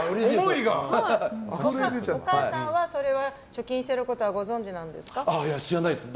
お母さんは貯金してることは知らないです。